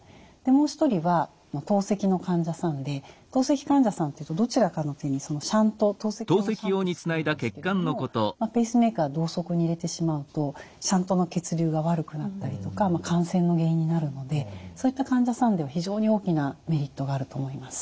もう一人は透析の患者さんで透析患者さんってどちらかの手に透析用のシャント作るんですけれどもペースメーカー同側に入れてしまうとシャントの血流が悪くなったりとか感染の原因になるのでそういった患者さんでは非常に大きなメリットがあると思います。